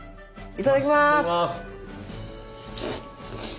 いただきます。